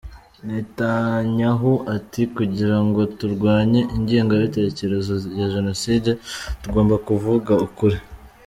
Netanyahu ati “ Kugira ngo turwanye ingengabitekerezo ya jenoside, tugomba kuvuga ukuri.